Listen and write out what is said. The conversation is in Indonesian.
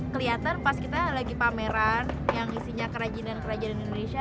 kelihatan pas kita lagi pameran yang isinya kerajinan kerajinan indonesia